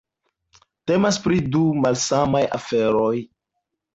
Temas pri du malsamaj aferoj.